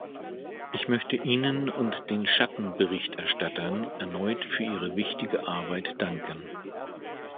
Ich möchte Ihnen und den Schattenberichterstattern erneut für Ihre wichtige Arbeit danken.